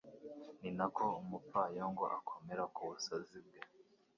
ni na ko umupfayongo akomera ku busazi bwe